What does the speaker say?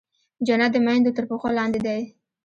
جنت د مېندو تر پښو لاندې دی.